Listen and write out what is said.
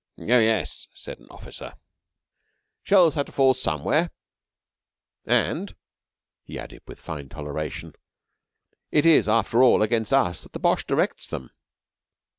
"Oh, yes," said an officer, "shells have to fall somewhere, and," he added with fine toleration, "it is, after all, against us that the Boche directs them.